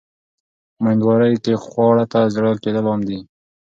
په مېندوارۍ کې خواړو ته زړه کېدل عام دي.